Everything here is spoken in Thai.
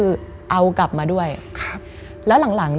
มันกลายเป็นรูปของคนที่กำลังขโมยคิ้วแล้วก็ร้องไห้อยู่